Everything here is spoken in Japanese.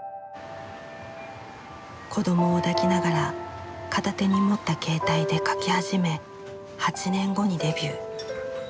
子供を抱きながら片手に持った携帯で書き始め８年後にデビュー。